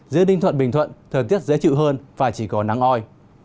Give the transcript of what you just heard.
giữa đinh thuận bình thuận thời tiết dễ chịu hơn và chỉ có nắng oi